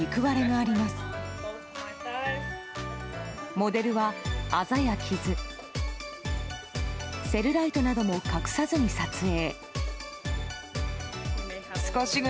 モデルは、あざや傷セルライトなども隠さずに撮影。